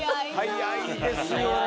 早いですよね。